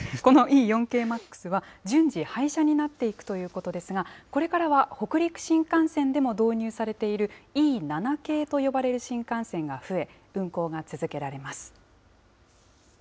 このＥ４系Ｍａｘは、順次、廃車になっていくということですが、これからは北陸新幹線でも導入されている、Ｅ７系と呼ばれる新幹線が増え、運行が続けられます。